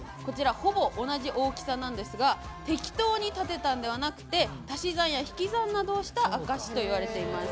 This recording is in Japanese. ほぼ同じ大きさなんですが適当に建てたのではなくて足し算や引き算などをした証しといわれています。